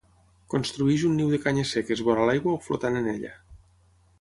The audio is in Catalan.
Construeix un niu de canyes seques vora l'aigua o flotant en ella.